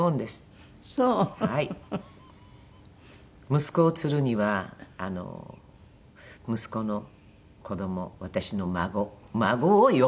息子を釣るには息子の子ども私の孫孫を呼んでおく。